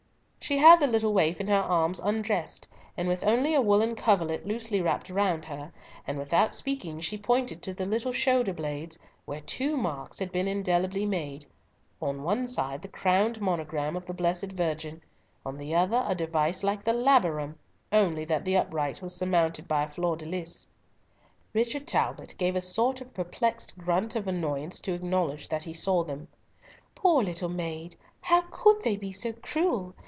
She had the little waif in her arms undressed, and with only a woollen coverlet loosely wrapped round her, and without speaking she pointed to the little shoulder blades, where two marks had been indelibly made—on one side the crowned monogram of the Blessed Virgin, on the other a device like the Labarum, only that the upright was surmounted by a fleur de lis. Richard Talbot gave a sort of perplexed grunt of annoyance to acknowledge that he saw them. "Poor little maid! how could they be so cruel?